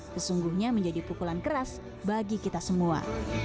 sesungguhnya menjadi pukulan keras bagi kita semua